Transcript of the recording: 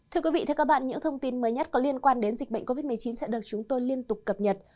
thưa quý vị thưa các bạn những thông tin mới nhất có liên quan đến dịch bệnh covid một mươi chín sẽ được chúng tôi liên tục cập nhật